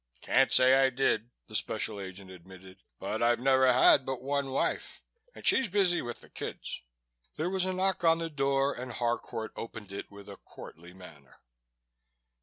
"Can't say I did," the Special Agent admitted, "but I've never had but one wife and she's busy with the kids." There was a knock on the door and Harcourt opened it with a courtly manner.